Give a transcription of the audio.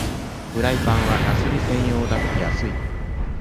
フライパンはガス火専用だと安い